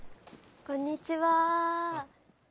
こんにちは。